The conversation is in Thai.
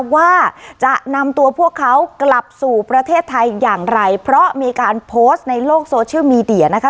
ว่าจะนำตัวพวกเขากลับสู่ประเทศไทยอย่างไรเพราะมีการโพสต์ในโลกโซเชียลมีเดียนะคะ